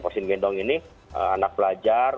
vaksin gendong ini anak pelajar